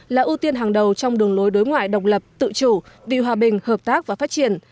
là ưu tiên hàng đầu trong đường lối đối ngoại độc lập tự chủ vì hòa bình hợp tác và phát triển